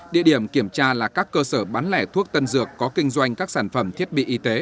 địa điểm kiểm tra là các cơ sở bán lẻ thuốc tân dược có kinh doanh các sản phẩm thiết bị y tế